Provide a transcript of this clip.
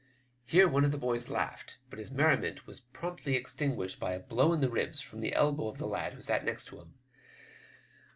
Etere one of the boys laughed, but his merriment was promptly extinguished by a blow in the ribs from the elbow of the lad who sat next to him.